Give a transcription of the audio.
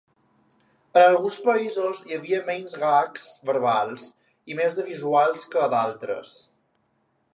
En alguns països hi havia menys gags verbals i més de visuals que a d'altres.